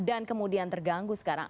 dan kemudian terganggu sekarang